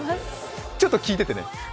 ちょっと聞いててね。